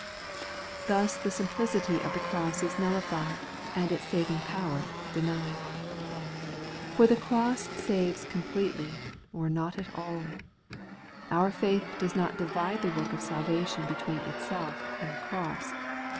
Thus the simplicity of the cross is nullified, and its saving power denied. For the cross saves completely, or not at alL Our faith does not divide the work of salvation between itself and the cross.